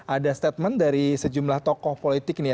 ada statement dari sejumlah tokoh politik nih ya